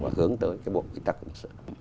và hướng tới cái bộ quy tắc ứng xử